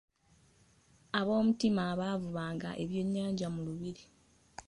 Aboomutima baavubanga ebyennyanja mu lubiri.